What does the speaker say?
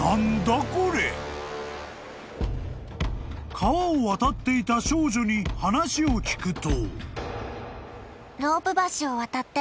［川を渡っていた少女に話を聞くと］